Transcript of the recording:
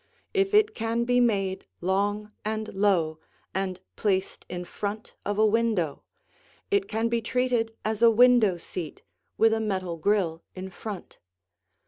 If it can be made long and low and placed in front of a window, it can be treated as a window seat with a metal grill in front.